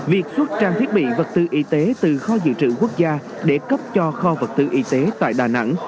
việc xuất trang thiết bị vật tư y tế từ kho dự trữ quốc gia để cấp cho kho vật tư y tế tại đà nẵng